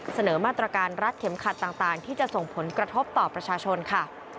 เสนอมาตรการรัดเข็มขัดต่างที่จะส่งผลกระทบต่อประชาชนค่ะ